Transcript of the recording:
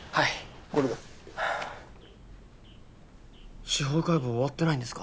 これだ司法解剖終わってないんですか？